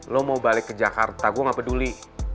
lo mau balik ke jakarta gue gak peduli